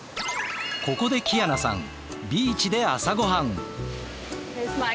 ここでキアナさんビーチで朝ごはん。